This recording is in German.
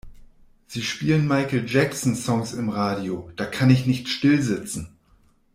Sie spielen Michael Jackson Songs im Radio, da kann ich nicht stillsitzen.